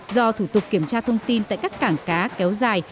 do thủ tục kiểm tra thông tin tại các cảng cá kéo dài